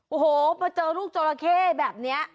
โอ้โหมาเจอลูกจราเข้แบบนี้